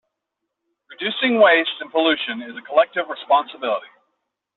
Reducing waste and pollution is a collective responsibility.